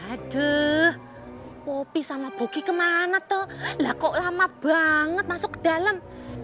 aduh kopi sama bugi kemana tuh lah kok lama banget masuk ke dalam